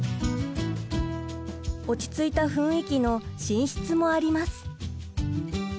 落ち着いた雰囲気の寝室もあります。